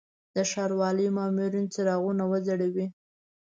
د ښاروالي مامورین څراغونه وځړوي.